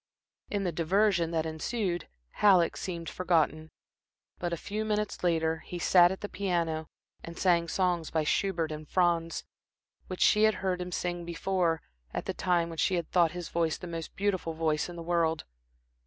In the diversion that ensued Halleck seemed forgotten. But a few minutes later, he sat at the piano and sang songs by Schubert and Franz, which she had heard him sing before, at the time when she had thought his voice the most beautiful voice in the world.